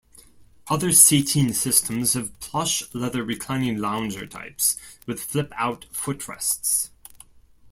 Other seating systems have plush leather reclining lounger types, with flip-out footrests.